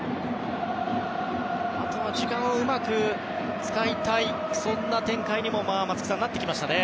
あとは時間をうまく使いたいそんな展開にもなってきました。